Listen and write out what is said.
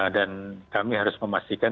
dan kami harus memastikan